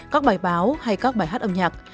các bài báo hay các bài hát âm nhạc